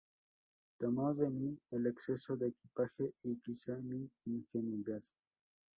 Tomó de mí el exceso de equipaje, y quizá mi ingenuidad...".